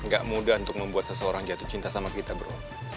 gak mudah untuk membuat seseorang jatuh cinta sama kita bro